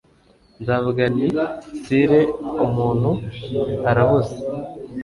Nzavuga nti Sire umuntu arabuze